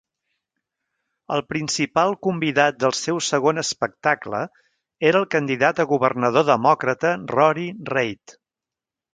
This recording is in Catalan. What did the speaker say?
El principal convidat del seu segon espectacle era el candidat a governador demòcrata Rory Reid.